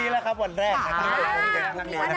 ฝากด้วยนะครับสำหรับละครเรื่อง